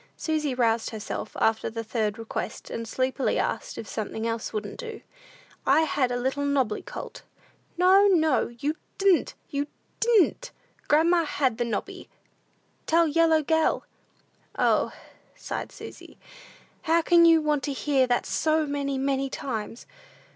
Susy roused herself after the third request, and sleepily asked if something else wouldn't do? "I had a little nobby colt." "No, no, you di'n't, you di'n't; grandma had the nobby! Tell yellow gell." "O," sighed Susy, "how can you want to hear that so many, many times?